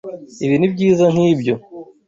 Ibi nibyiza nkibyo.